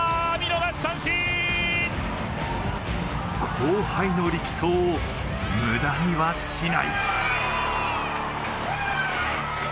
後輩の力投を無駄にはしない。